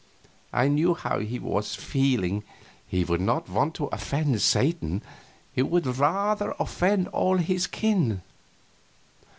I knew how he was feeling. He would not want to offend Satan; he would rather offend all his kin.